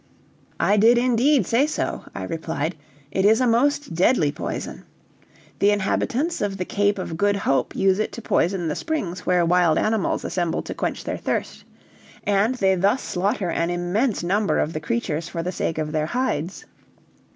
"I did indeed say so," I replied; "it is a most deadly poison. The inhabitants of the Cape of Good Hope use it to poison the springs where wild animals assemble to quench their thirst; and they thus slaughter an immense number of the creatures for the sake of their hides.